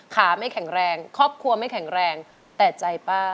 ครอบครัวไม่แข็งแรงแต่ใจป้า